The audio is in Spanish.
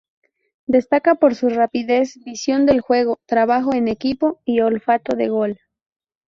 Destaca por su rapidez, visión del juego, trabajo en equipo y olfato de gol.